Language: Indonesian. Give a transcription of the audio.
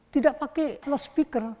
tidak pakai speaker